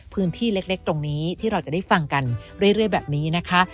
พื้นที่เล็กตรงนี้ที่เราจะได้ฟังกันเรื่อยแบบนี้นะคะ